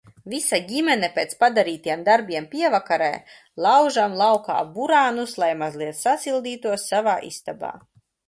Visa ģimene pēc padarītiem darbiem pievakarē laužam laukā burānus, lai mazliet sasildītos savā istabā.